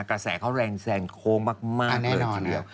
กระแสเขาแรงแสงโค้งมากเลยครับ